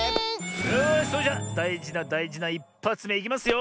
よしそれじゃだいじなだいじな１ぱつめいきますよ。